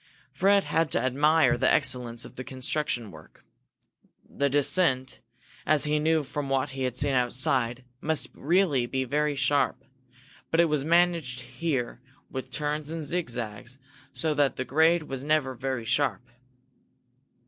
Fred had to admire the excellence of the construction work. The descent, as he knew from what he had seen outside, must really be very sharp. But it was managed here with turns and zigzags so that the grade was never very sharp.